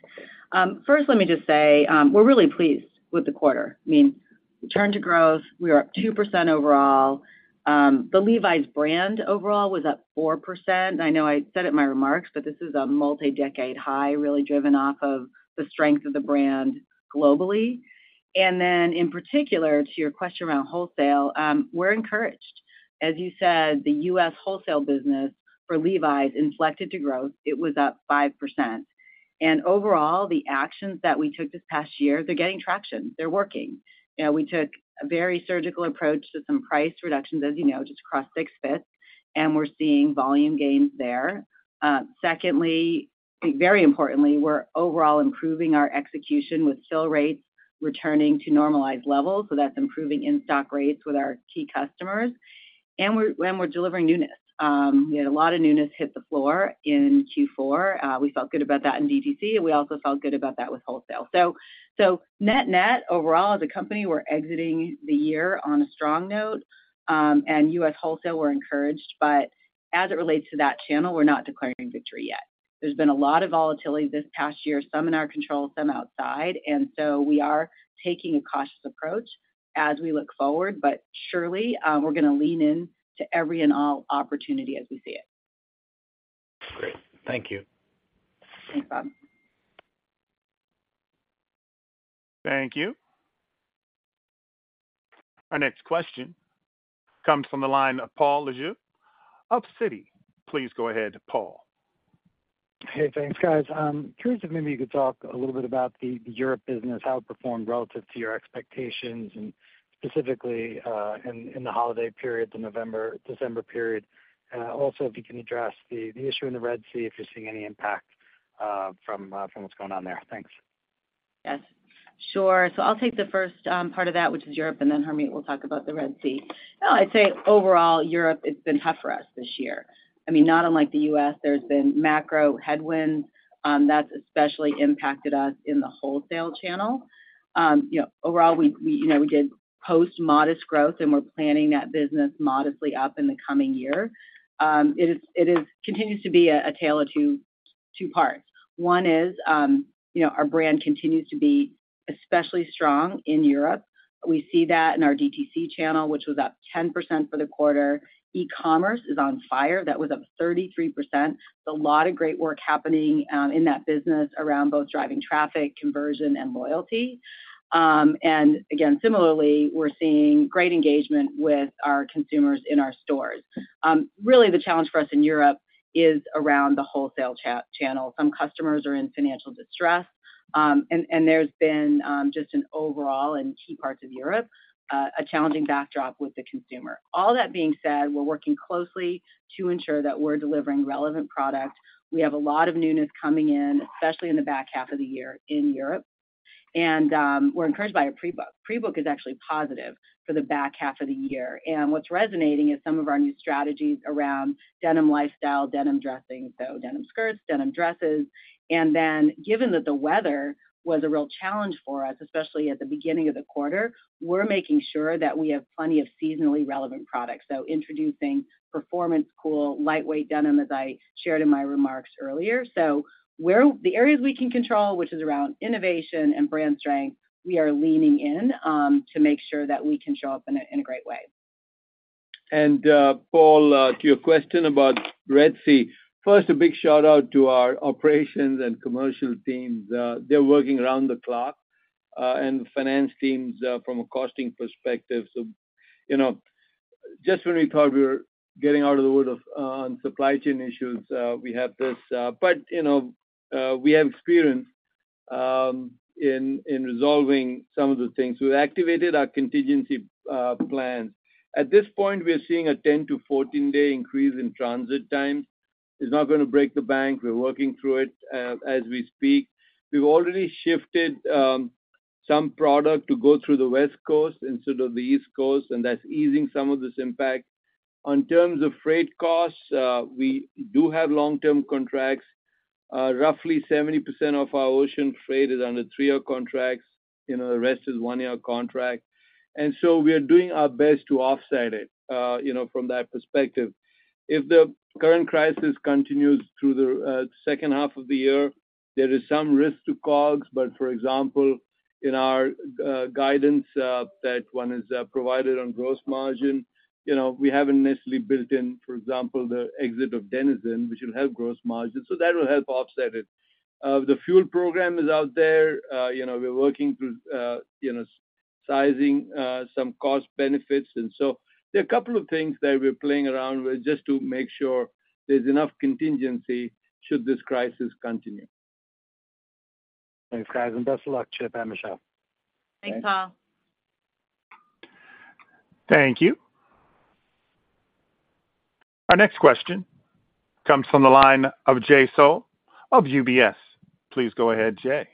First, let me just say, we're really pleased with the quarter. I mean, return to growth, we are up 2% overall. The Levi's brand overall was up 4%. I know I said it in my remarks, but this is a multi-decade high, really driven off of the strength of the brand globally. And then, in particular, to your question around wholesale, we're encouraged. As you said, the U.S. wholesale business for Levi's inflected to growth. It was up 5%. And overall, the actions that we took this past year, they're getting traction. They're working. You know, we took a very surgical approach to some price reductions, as you know, just across Saks Fifth, and we're seeing volume gains there. Secondly, very importantly, we're overall improving our execution, with fill rates returning to normalized levels, so that's improving in-stock rates with our key customers. And we're delivering newness. We had a lot of newness hit the floor in Q4. We felt good about that in DTC, and we also felt good about that with wholesale. So net-net, overall, as a company, we're exiting the year on a strong note. And U.S. wholesale, we're encouraged, but as it relates to that channel, we're not declaring victory yet. There's been a lot of volatility this past year, some in our control, some outside, and so we are taking a cautious approach as we look forward. But surely, we're going to lean in to every and all opportunity as we see it. Great. Thank you. Thanks, Bob. Thank you. Our next question comes from the line of Paul Lejuez of Citi. Please go ahead, Paul. Hey, thanks, guys. Curious if maybe you could talk a little bit about the Europe business, how it performed relative to your expectations, and specifically, in the holiday period, the November, December period. Also, if you can address the issue in the Red Sea, if you're seeing any impact, from what's going on there. Thanks. Yes, sure. So I'll take the first part of that, which is Europe, and then Harmit will talk about the Red Sea. Well, I'd say overall, Europe, it's been tough for us this year. I mean, not unlike the U.S., there's been macro headwinds, that's especially impacted us in the wholesale channel. You know, overall, we did post modest growth, and we're planning that business modestly up in the coming year. It continues to be a tale of two parts. One is, you know, our brand continues to be especially strong in Europe. We see that in our DTC channel, which was up 10% for the quarter. E-commerce is on fire. That was up 33%. There's a lot of great work happening in that business around both driving traffic, conversion, and loyalty. Again, similarly, we're seeing great engagement with our consumers in our stores. Really, the challenge for us in Europe is around the wholesale channel. Some customers are in financial distress, and there's been just an overall, in key parts of Europe, a challenging backdrop with the consumer. All that being said, we're working closely to ensure that we're delivering relevant product. We have a lot of newness coming in, especially in the back half of the year in Europe. And, we're encouraged by our pre-book. Pre-book is actually positive for the back half of the year, and what's resonating is some of our new strategies around denim lifestyle, denim dressing, so denim skirts, denim dresses. Then, given that the weather was a real challenge for us, especially at the beginning of the quarter, we're making sure that we have plenty of seasonally relevant products, so introducing Performance Cool lightweight denim, as I shared in my remarks earlier. So, where the areas we can control, which is around innovation and brand strength, we are leaning in to make sure that we can show up in a great way. And, Paul, to your question about Red Sea. First, a big shout-out to our operations and commercial teams. They're working around the clock, and finance teams, from a costing perspective. So, you know, just when we thought we were getting out of the wood of, on supply chain issues, we have this. But, you know, we have experience in resolving some of the things. We've activated our contingency plan. At this point, we are seeing a 10- to 14-day increase in transit time. It's not gonna break the bank. We're working through it, as we speak. We've already shifted some product to go through the West Coast instead of the East Coast, and that's easing some of this impact. On terms of freight costs, we do have long-term contracts. Roughly 70% of our ocean freight is under three-year contracts, you know, the rest is one-year contract. And so we are doing our best to offset it, you know, from that perspective. If the current crisis continues through the second half of the year, there is some risk to COGS, but for example, in our guidance, that one is provided on gross margin, you know, we haven't necessarily built in, for example, the exit of Denizen, which will help gross margin, so that will help offset it. The fuel program is out there. You know, we're working through, you know, sizing some cost benefits. And so there are a couple of things that we're playing around with just to make sure there's enough contingency should this crisis continue. Thanks, guys, and best of luck, Chip and Michelle. Thanks, Paul. Thank you. Our next question comes from the line of Jay Sole of UBS. Please go ahead, Jay.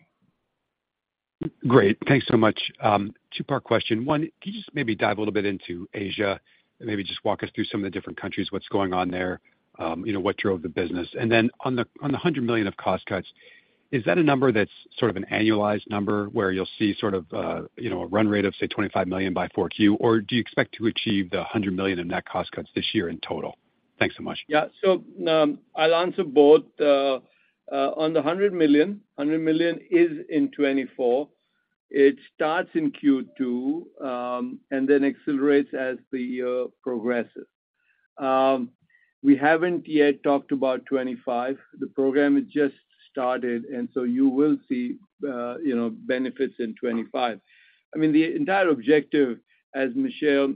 Great. Thanks so much. Two-part question. One, can you just maybe dive a little bit into Asia? Maybe just walk us through some of the different countries, what's going on there, you know, what drove the business? And then on the $100 million of cost cuts, is that a number that's sort of an annualized number, where you'll see sort of, you know, a run rate of, say, $25 million by 4Q, or do you expect to achieve the $100 million in net cost cuts this year in total? Thanks so much. Yeah. So, I'll answer both. On the $100 million, $100 million is in 2024. It starts in Q2, and then accelerates as the year progresses. We haven't yet talked about 2025. The program has just started, and so you will see, you know, benefits in 2025. I mean, the entire objective, as Michelle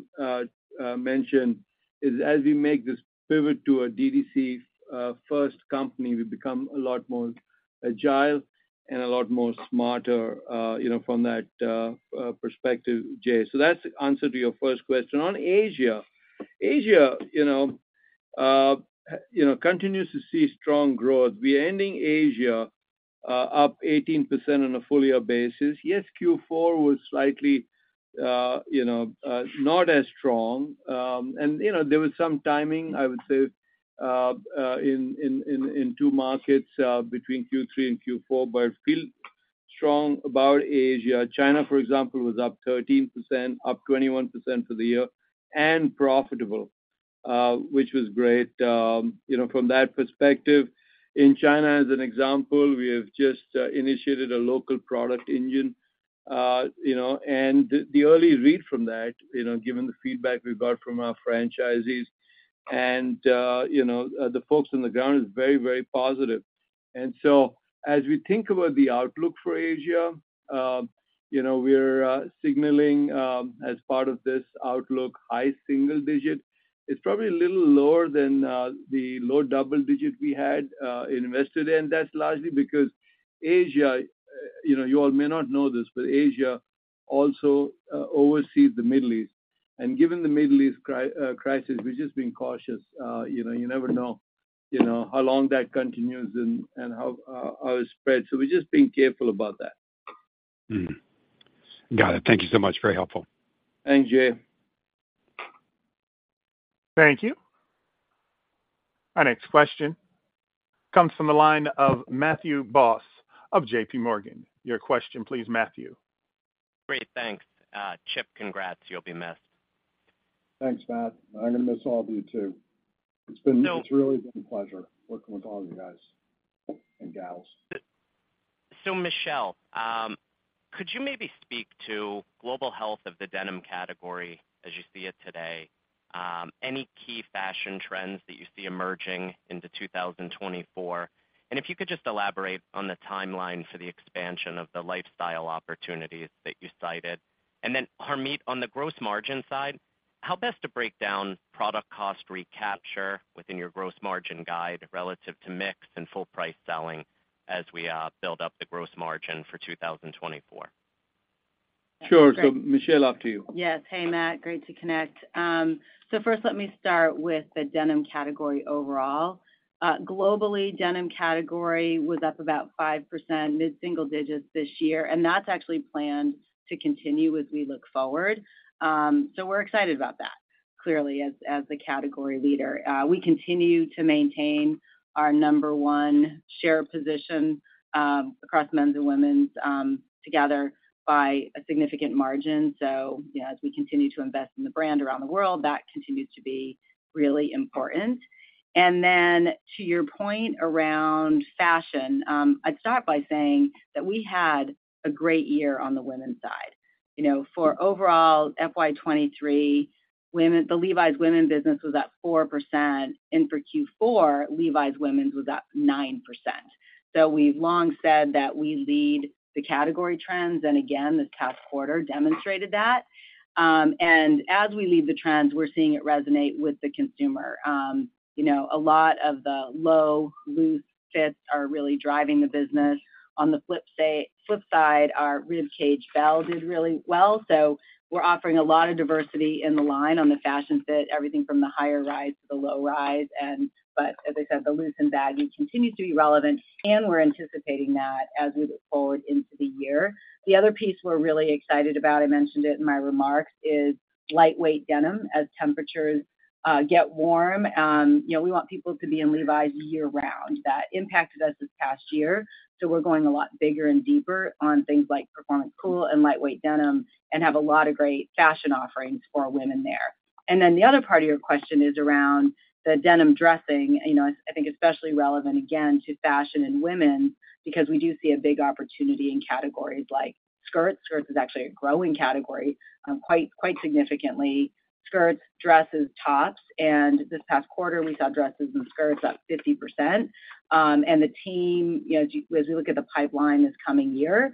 mentioned, is as we make this pivot to a DTC-first company, we become a lot more agile and a lot more smarter, you, from that, perspective, Jay. So that's the answer to your first question. On Asia, Asia, you know, continues to see strong growth. We are ending Asia, up 18% on a full year basis. Yes, Q4 was slightly, you know, not as strong. And, you know, there was some timing, I would say, in two markets, between Q3 and Q4, but I feel strong about Asia. China, for example, was up 13%, up 21% for the year, and profitable, which was great. You know, from that perspective, in China, as an example, we have just initiated a local product engine, you know, and the early read from that, you know, given the feedback we've got from our franchisees and the folks on the ground, is very, very positive. And so as we think about the outlook for Asia, you know, we're signaling, as part of this outlook, high single digit. It's probably a little lower than the low double digit we had invested in. That's largely because Asia, you know, you all may not know this, but Asia also oversees the Middle East. And given the Middle East crisis, we're just being cautious. You know, you never know, you know, how long that continues and how it spread. So we're just being careful about that. Mm-hmm. Got it. Thank you so much. Very helpful. Thanks, Jay. Thank you. Our next question comes from the line of Matthew Boss of J.P. Morgan. Your question, please, Matthew. Great, thanks. Chip, congrats. You'll be missed. Thanks, Matt. I'm gonna miss all of you, too. It's been- No-... it's really been a pleasure working with all you guys and gals. So, Michelle, could you maybe speak to global health of the denim category as you see it today? Any key fashion trends that you see emerging into 2024? And if you could just elaborate on the timeline for the expansion of the lifestyle opportunities that you cited. And then, Harmit, on the gross margin side. How best to break down product cost recapture within your gross margin guide relative to mix and full price selling as we build up the gross margin for 2024? Sure. So Michelle, off to you. Yes. Hey, Matt, great to connect. So first let me start with the denim category overall. Globally, denim category was up about 5%, mid-single digits this year, and that's actually planned to continue as we look forward. So we're excited about that, clearly, as the category leader. We continue to maintain our number one share position, across men's and women's, together by a significant margin. So as we continue to invest in the brand around the world, that continues to be really important. And then to your point around fashion, I'd start by saying that we had a great year on the women's side. You know, for overall FY 2023, women, the Levi's women's business was at 4%, and for Q4, Levi's women's was at 9%. So we've long said that we lead the category trends, and again, this past quarter demonstrated that. And as we lead the trends, we're seeing it resonate with the consumer. You know, a lot of the Low Loose fits are really driving the business. On the flip side, our Ribcage Bell did really well. So we're offering a lot of diversity in the line on the fashion fit, everything from the higher rise to the low rise. But as I said, the loose and baggy continues to be relevant, and we're anticipating that as we look forward into the year. The other piece we're really excited about, I mentioned it in my remarks, is lightweight denim as temperatures get warm. You know, we want people to be in Levi's year-round. That impacted us this past year, so we're going a lot bigger and deeper on things like performance, cool, and lightweight denim, and have a lot of great fashion offerings for women there. And then the other part of your question is around the denim dressing. You know, I think especially relevant, again, to fashion and women, because we do see a big opportunity in categories like skirts. Skirts is actually a growing category, quite, quite significantly. Skirts, dresses, tops, and this past quarter, we saw dresses and skirts up 50%. And the team, you know, as you, as we look at the pipeline this coming year,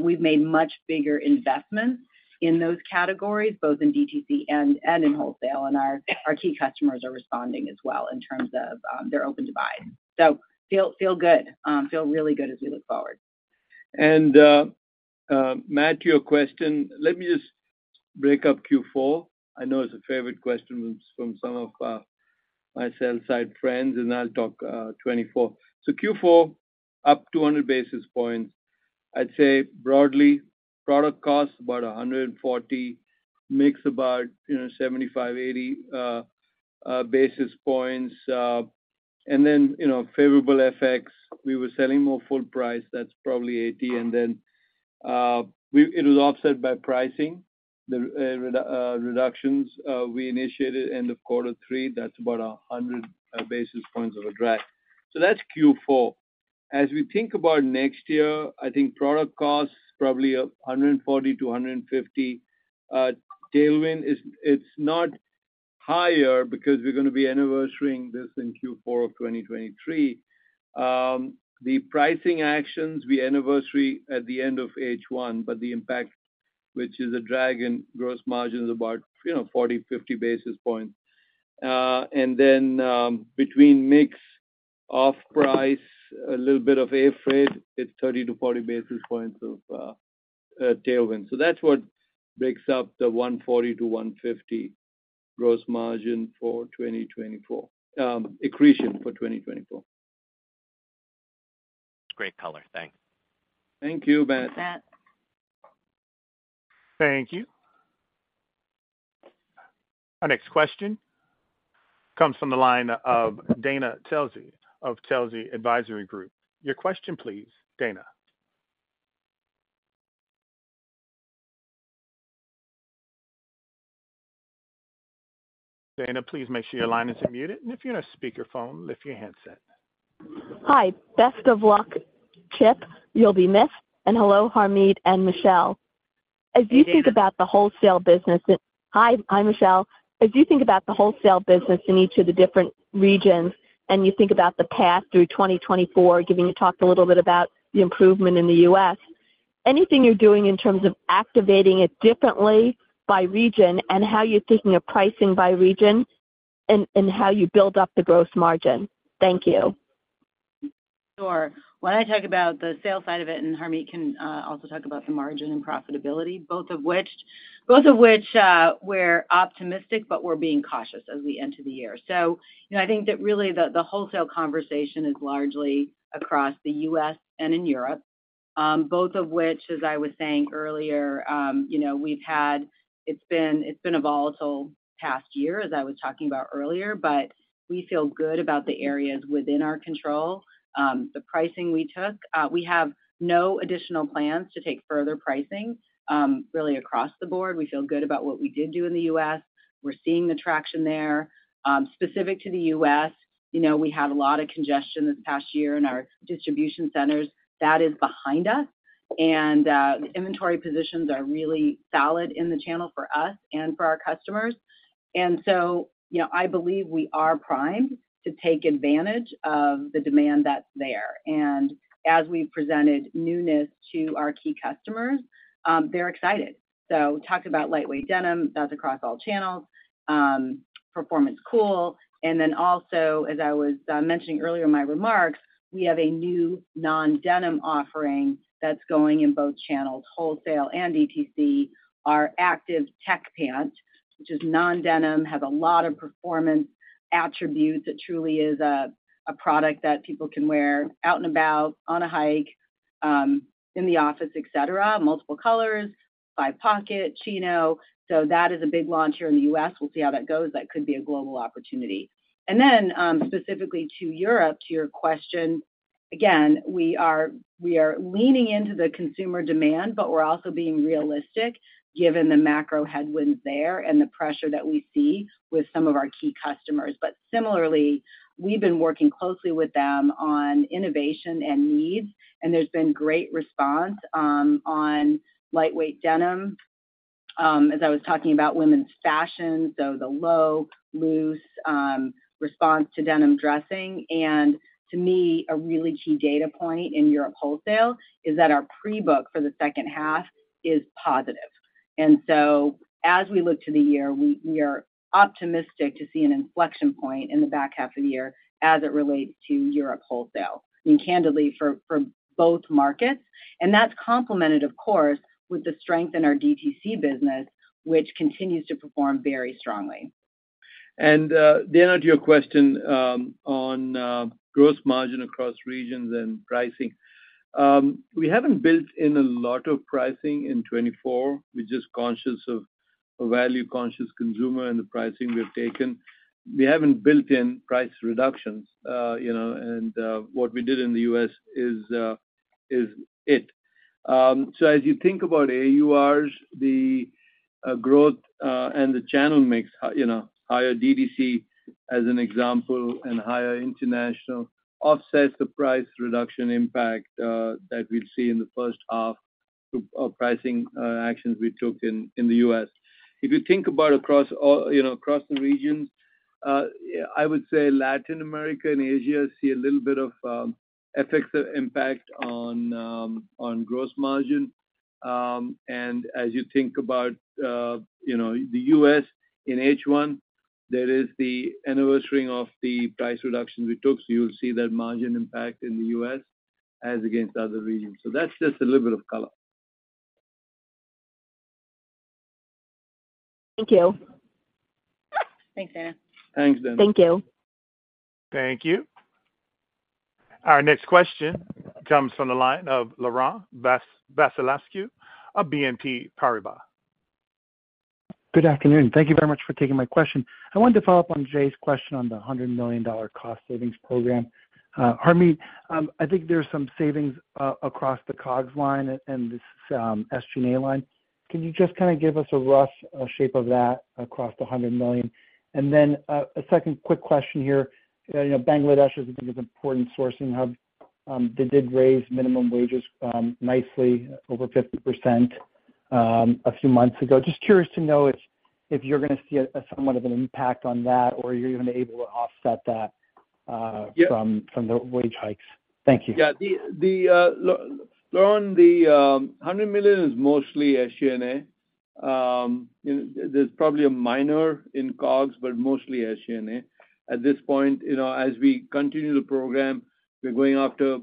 we've made much bigger investments in those categories, both in DTC and in wholesale, and our key customers are responding as well in terms of their open-to-buy. Feel really good as we look forward. And, Matt, to your question, let me just break up Q4. I know it's a favorite question from some of my sell-side friends, and I'll talk 2024. So Q4, up 200 basis points. I'd say broadly, product costs about 140, makes about, you know, 75, 80 basis points. And then, you know, favorable FX, we were selling more full price, that's probably 80. And then, it was offset by pricing, the reductions we initiated end of quarter three, that's about 100 basis points of a drag. So that's Q4. As we think about next year, I think product costs probably up 140 to 150. Tailwind is it's not higher because we're gonna be anniversarying this in Q4 of 2023. The pricing actions, we anniversary at the end of H1, but the impact, which is a drag in gross margin, is about, you know, 40-50 basis points. And then, between mix off-price, a little bit of air freight, it's 30-40 basis points of tailwind. So that's what breaks up the 140-150 gross margin for 2024, accretion for 2024. Great color. Thanks. Thank you, Matt. Thanks, Matt. Thank you. Our next question comes from the line of Dana Telsey of Telsey Advisory Group. Your question, please, Dana. Dana, please make sure your line isn't muted, and if you're in a speaker phone, lift your handset. Hi. Best of luck, Chip. You'll be missed. And hello, Harmit and Michelle. As you think about the wholesale business... Hi, hi, Michelle. As you think about the wholesale business in each of the different regions, and you think about the path through 2024, given you talked a little bit about the improvement in the U.S. Anything you're doing in terms of activating it differently by region and how you're thinking of pricing by region and, and how you build up the gross margin? Thank you. Sure. When I talk about the sales side of it, and Harmit can also talk about the margin and profitability, both of which we're optimistic, but we're being cautious as we head into the year. So I think that really the wholesale conversation is largely across the U.S. and in Europe, both of which, as I was saying earlier, you know, we've had—it's been a volatile past year, as I was talking about earlier, but we feel good about the areas within our control. The pricing we took, we have no additional plans to take further pricing, really across the board. We feel good about what we did do in the U.S. We're seeing the traction there. Specific to the U.S., you know, we had a lot of congestion this past year in our distribution centers. That is behind us, and the inventory positions are really solid in the channel for us and for our customers. And so, you know, I believe we are primed to take advantage of the demand that's there. And as we've presented newness to our key customers, they're excited. So we talked about lightweight denim. That's across all channels, Performance Cool. And then also, as I was mentioning earlier in my remarks, we have a new non-denim offering that's going in both channels, wholesale and DTC, our Active Tech pant, which is non-denim, has a lot of performance attributes. It truly is a product that people can wear out and about, on a hike, in the office, et cetera. Multiple colors, five pocket chino. So that is a big launch here in the U.S. We'll see how that goes. That could be a global opportunity. And then, specifically to Europe, to your question, again, we are, we are leaning into the consumer demand, but we're also being realistic given the macro headwinds there and the pressure that we see with some of our key customers. But similarly, we've been working closely with them on innovation and needs, and there's been great response, on lightweight denim. As I was talking about women's fashion, so the low, loose, response to denim dressing. And to me, a really key data point in Europe wholesale is that our pre-book for the second half is positive. And so as we look to the year, we are optimistic to see an inflection point in the back half of the year as it relates to Europe wholesale, and candidly, for both markets. And that's complemented, of course, with the strength in our DTC business, which continues to perform very strongly. Dana, to your question, on gross margin across regions and pricing. We haven't built in a lot of pricing in 2024. We're just conscious of a value-conscious consumer and the pricing we have taken. We haven't built in price reductions, you know, and what we did in the US is it. So as you think about AURs, the growth and the channel mix, you know, higher DTC, as an example, and higher international, offsets the price reduction impact that we've seen in the first half of pricing actions we took in the US. If you think about across all, you know, across the regions, I would say Latin America and Asia see a little bit of effects of impact on gross margin. And as you think about, you know, the US in H1, there is the anniversary of the price reduction we took, so you'll see that margin impact in the US as against other regions. So that's just a little bit of color. Thank you. Thanks, Dnna. Thanks, Dana. Thank you. Thank you. Our next question comes from the line of Laurent Vasilescu of BNP Paribas. Good afternoon. Thank you very much for taking my question. I wanted to follow up on Jay's question on the $100 million cost savings program. Harmit, I think there's some savings across the COGS line and this SG&A line. Can you just kinda give us a rough shape of that across the $100 million? And then a second quick question here. You know, Bangladesh is, I think, an important sourcing hub. They did raise minimum wages nicely, over 50%, a few months ago. Just curious to know if you're gonna see a somewhat of an impact on that, or you're even able to offset that. Yeah... from the wage hikes? Thank you. Yeah, Laurent, the $100 million is mostly SG&A. You know, there's probably a minor in COGS, but mostly SG&A. At this point, you know, as we continue the program, we're going after,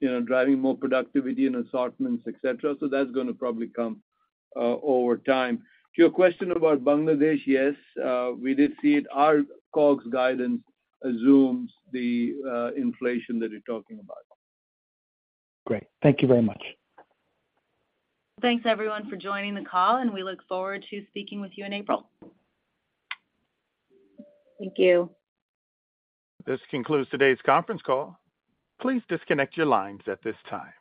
you know, driving more productivity and assortments, et cetera, so that's gonna probably come over time. To your question about Bangladesh, yes, we did see it. Our COGS guidance assumes the inflation that you're talking about. Great. Thank you very much. Thanks, everyone, for joining the call, and we look forward to speaking with you in April. Thank you. This concludes today's conference call. Please disconnect your lines at this time.